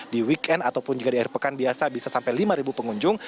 di weekend ataupun juga di air pekan biasa bisa sampai lima pengunjung